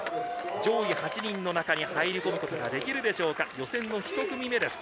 上位８人の中に入り込むことができるでしょうか、予選１組目です。